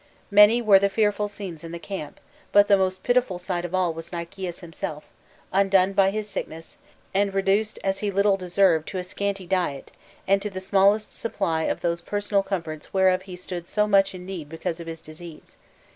Many were the fearful scenes in the camp, but the most pitiful sight of all was Nicias himself, undone by his sickness, and reduced, as he little deserved, to a scanty diet, and to the smallest supply of those personal comforts whereof he stood so much in need because of his disease.